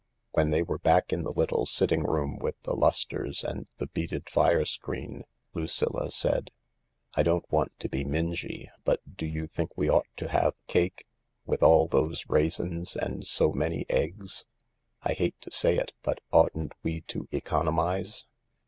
When they were back in the little sitting room with the lustres and the beaded fire screen, Lucilla said :" I don't want to be mingy, but do you think we ought to have cake — with all those raisins and so many eggs ? I hate to say it, but oughtn't we to economise